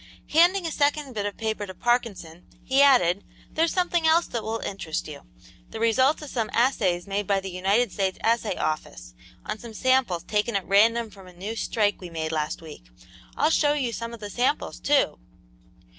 Handing a second bit of paper to Parkinson, he added: "There's something else that will interest you; the results of some assays made by the United States Assay Office on some samples taken at random from a new strike we made last week. I'll show you some of the samples, too."